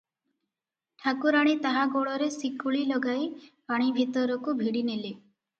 ଠାକୁରାଣୀ ତାହା ଗୋଡ଼ରେ ଶିକୁଳି ଲଗାଇ ପାଣିଭିତରକୁ ଭିଡ଼ିନେଲେ ।